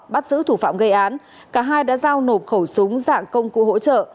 bắt giữ thủ phạm gây án cả hai đã giao nộp khẩu súng dạng công cụ hỗ trợ